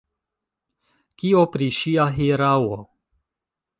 Kio pri ŝia hieraŭo?